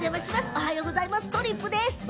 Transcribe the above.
おはようございますとりっぷです。